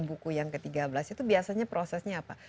buku yang ke tiga belas itu biasanya prosesnya apa